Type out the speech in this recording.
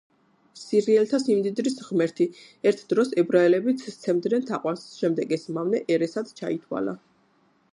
სირიელთა სიმდიდრის ღმერთი, ერთ დროს ებრაელებიც სცემდნენ თაყვანს, შემდეგ ეს მავნე ერესად ჩაითვალა.